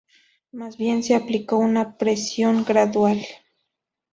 Más bien, se aplicó una presión gradual.